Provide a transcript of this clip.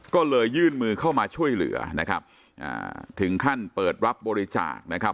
ก็เลยยื่นมือเข้ามาช่วยเหลือนะครับอ่าถึงขั้นเปิดรับบริจาคนะครับ